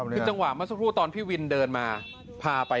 คือจังหวะเมื่อสักครู่ตอนพี่วินเดินมาพาไป